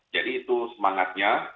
jadi itu semangatnya